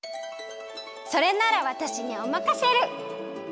それならわたしにおまかシェル！